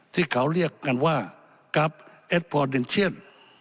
ที่เขาเรียกกันว่ากราฟเอสพเดนเชียน